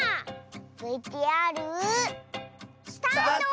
ＶＴＲ。スタート！